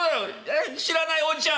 「知らないおじちゃん」。